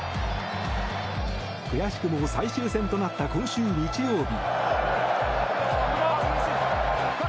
悔しくも最終戦となった今週日曜日。